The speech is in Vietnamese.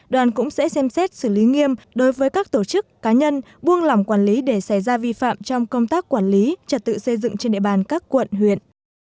đoàn cũng sẽ xem xét xử lý nghiêm đối với các tổ chức cá nhân buông lỏng quản lý để xảy ra vi phạm trong công tác quản lý trật tự xây dựng trên địa bàn các quận huyện